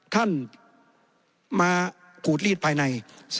ท่านมาขูดรีดภายใน